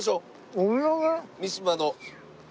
三島の。